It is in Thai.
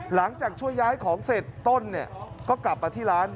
หลังจากช่วยย้ายของเสร็จต้นเนี่ยก็กลับมาที่ร้าน